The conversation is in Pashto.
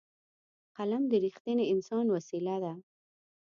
قلم د رښتیني انسان وسېله ده